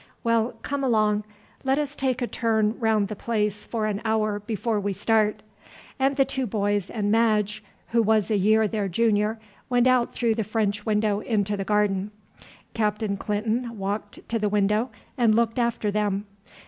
Well, come along, let us take a turn round the place for an hour before we start." And the two boys and Madge, who was a year their junior, went out through the French window into the garden. Captain Clinton walked to the window and looked after them.